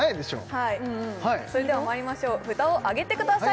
はいそれではまいりましょう札をあげてください